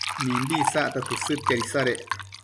mimbi isacta tësëdtiad isadec